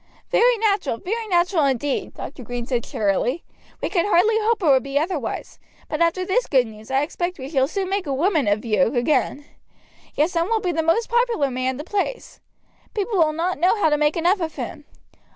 "Very natural, very natural, indeed," Dr. Green said cheerily. "We could hardly hope it would be otherwise; but after this good news I expect we shall soon make a woman of you again. Your son will be the most popular man in the place. People will not know how to make enough of him.